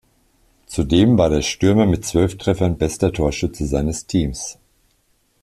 Zudem war der Stürmer mit zwölf Treffern bester Torschütze seines Teams.